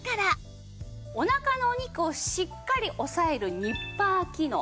おなかのお肉をしっかり押さえるニッパー機能。